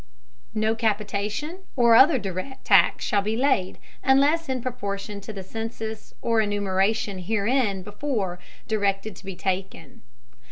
No Capitation, or other direct, Tax shall be laid, unless in Proportion to the Census or Enumeration herein before directed to be taken.